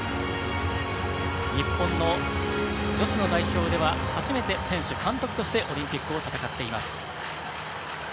日本の女子の代表では初めて選手、監督としてオリンピックを戦っています。